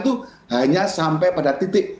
itu hanya sampai pada titik